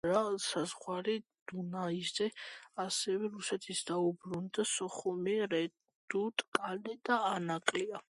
ოსმალეთმა აღიარა საზღვარი დუნაიზე, ასევე რუსეთს დაუბრუნდა სოხუმი, რედუტ-კალე და ანაკლია.